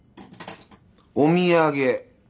お土産。